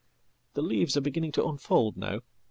The leaves are beginning tounfold now.